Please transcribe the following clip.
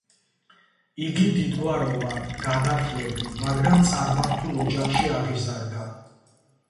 იგი დიდგვაროვან, განათლებულ, მაგრამ წარმართულ ოჯახში აღიზარდა.